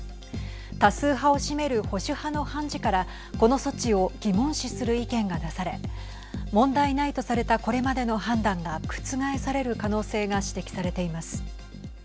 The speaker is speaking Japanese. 多数派を占める保守派の判事からこの措置を疑問視する意見が出され問題ないとされたこれまでの判断が覆される可能性が指摘されています。